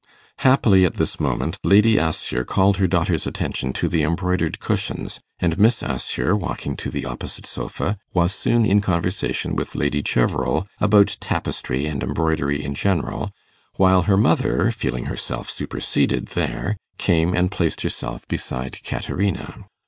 Happily at this moment Lady Assher called her daughter's attention to the embroidered cushions, and Miss Assher, walking to the opposite sofa, was soon in conversation with Lady Cheverel about tapestry and embroidery in general, while her mother, feeling herself superseded there, came and placed herself beside Caterina.